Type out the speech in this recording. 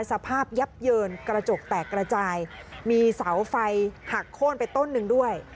สภาพยับเยินกระจกแตกระจายมีเสาไฟหักโค้นไปต้นหนึ่งด้วย